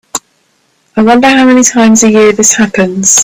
I wonder how many times a year this happens.